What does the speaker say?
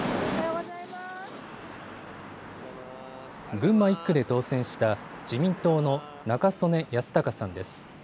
群馬１区で当選した自民党の中曽根康隆さんです。